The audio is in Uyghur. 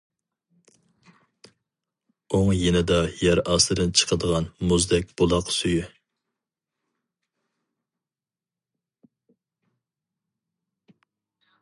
ئوڭ يېنىدا يار ئاستىدىن چىقىدىغان مۇزدەك بۇلاق سۈيى.